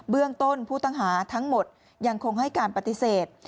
เรื่องต้นผู้ต้องหาทั้งหมดยังคงให้การปฏิเสธ